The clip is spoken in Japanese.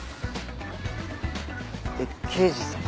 えっ刑事さん？